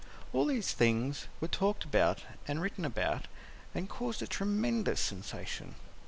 All these things were talked about and written about, and caused a tremendous sensation.